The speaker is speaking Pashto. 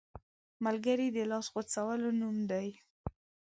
ملګری د لاس غځولو نوم دی